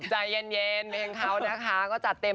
ใจเย็นเพลงเขานะคะก็จัดเต็ม